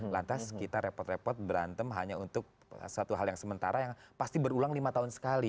lantas kita repot repot berantem hanya untuk satu hal yang sementara yang pasti berulang lima tahun sekali